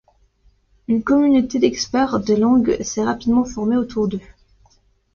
Une communauté d'experts des langues s'est rapidement formée autour d'eux.